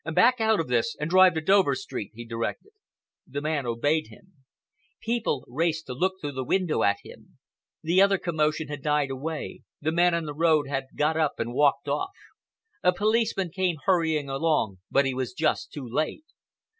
"Back out of this and drive to Dover Street," he directed. The man obeyed him. People raced to look through the window at him. The other commotion had died away,—the man in the road had got up and walked off. A policeman came hurrying along but he was just too late.